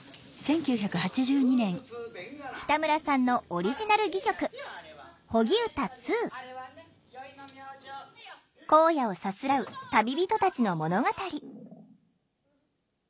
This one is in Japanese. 北村さんのオリジナル戯曲荒野をさすらう旅人たちの物語。